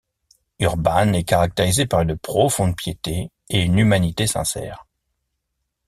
Urban est caractérisé par une profonde piété et une humanité sincère.